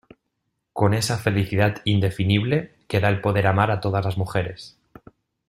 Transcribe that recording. con esa felicidad indefinible que da el poder amar a todas las mujeres.